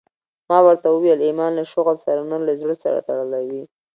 ما ورته وويل ايمان له شغل سره نه له زړه سره تړلى وي.